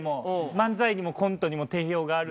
漫才にもコントにも定評がある。